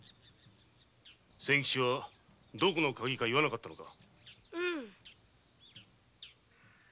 仙吉はどこのカギか言わなかったのか？